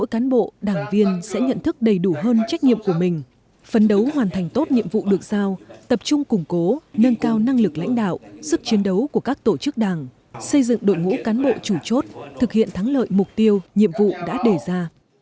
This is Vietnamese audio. cán bộ đảng viên sẽ nhận thức đầy đủ hơn trách nhiệm của mình phấn đấu hoàn thành tốt nhiệm vụ được giao tập trung củng cố nâng cao năng lực lãnh đạo sức chiến đấu của các tổ chức đảng xây dựng đội ngũ cán bộ chủ chốt thực hiện thắng lợi mục tiêu nhiệm vụ đã đề ra